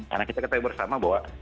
karena kita ketahui bersama bahwa